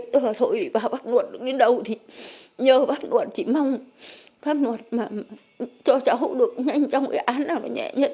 thôi vào pháp luật đứng đến đâu thì nhờ pháp luật chỉ mong pháp luật cho cháu được nhanh trong cái án nào nhẹ nhàng